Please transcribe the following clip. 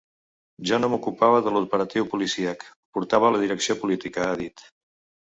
Jo no m’ocupava de l’operatiu policíac, portava la direcció política, ha dit.